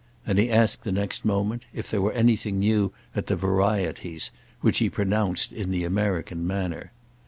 and he asked the next moment if there were anything new at the Varieties, which he pronounced in the American manner.